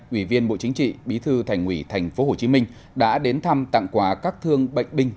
ủy viên bộ chính trị bí thư thành ủy tp hcm đã đến thăm tặng quà các thương bệnh binh